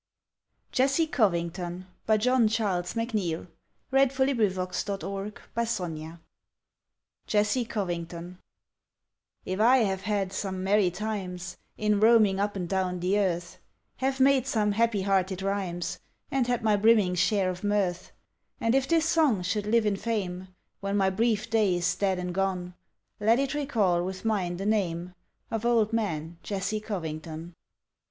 t Pygmalion's goddess might be won To change this lifeless image into thee! Jesse Covington If I have had some merry times In roaming up and down the earth, Have made some happy hearted rhymes And had my brimming share of mirth, And if this song should live in fame When my brief day is dead and gone, Let it recall with mine the name Of old man Jesse Covington.